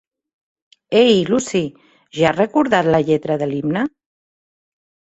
Ei, Lucy, ja has recordat la lletra de l'himne?